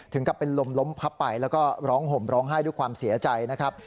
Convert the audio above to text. ถึงกับเป็นลมล้มพับไปแล้วก็ร้องห่มร้องไห้ด้วยความเสียใจนะครับ